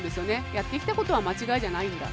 やってきたことは間違いじゃないんだ。